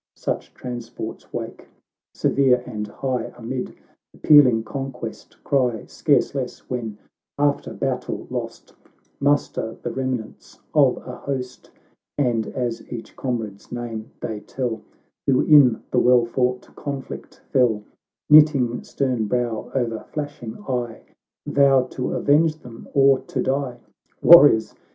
Such transports wake, severe and high, Amid the pealing conquest cry ; Scarce less, when, after battle lost, Muster the remnants of a host, And as each comrade's name they tell, Who in the well fought conflict fell, Knitting stern brow o'er flashing eye, Tow to avenge them or to die !— Warriors